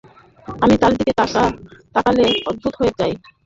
আমি তার দিকে তাকালে অদ্ভুত হয়ে যাই।